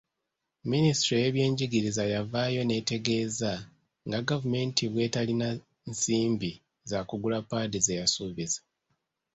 Minisitule y'ebyenjigiriza yavaayo n'etegeeza nga gavumenti bwe etalina nsimbi zaakugula paadi zeyasubiza.